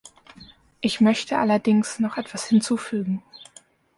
Ich möchte allerdings noch etwas hinzufügen.